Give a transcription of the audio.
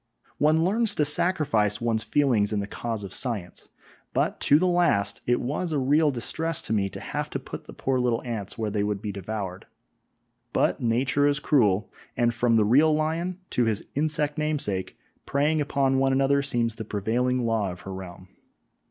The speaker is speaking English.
One learns to sacrifice one's feelings in the cause of science, but to the last it was a real distress to me to have to put the poor little ants where they would be devoured; but Nature is cruel, and from the real lion to his insect namesake, preying upon one another seems the prevailing law of her realm.